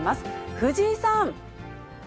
藤井さん。